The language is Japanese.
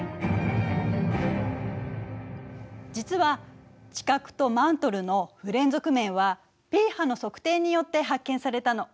実は地殻とマントルの不連続面はＰ波の測定によって発見されたの。